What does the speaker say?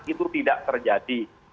itu tidak terjadi